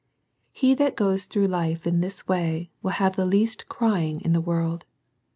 He that goes through life in this way will have the least "crying" in this world.